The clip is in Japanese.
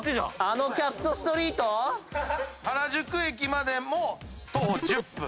あのキャットストリート⁉原宿駅までも徒歩１０分。